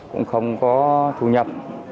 cũng không có thu nhập